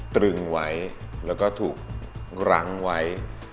ตรึงไว้แล้วก็ถูกรั้งไว้